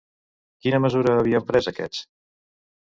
Quina mesura havien pres aquests?